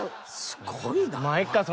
すごいなぁ。